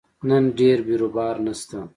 نن ډېر بیروبار نشته